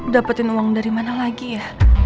dapetin uang dari mana lagi ya